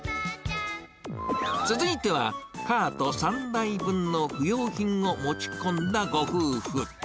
続いては、カート３台分の不用品を持ち込んだご夫婦。